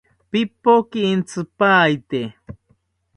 Pipoki intzipaete